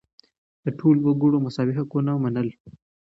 ده د ټولو وګړو مساوي حقونه منل.